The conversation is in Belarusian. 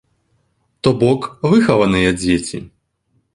То бок, выхаваныя дзеці.